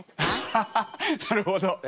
ハハハッなるほど。